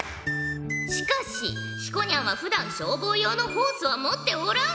しかしひこにゃんはふだん消防用のホースは持っておらん！